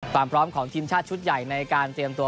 ความพร้อมของทีมชาติชุดใหญ่ในการเตรียมตัว